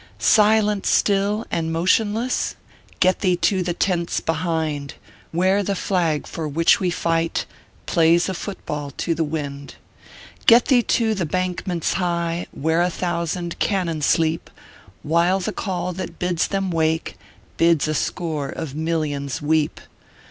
Silent still, and motionless? Get thee to the tents behind, Where the flag for which we fight Plays a foot ball to the wind. Get thee to the bankments high, Where a thousand cannon sleep, While the call that bids them wake Bids a score of millions weep.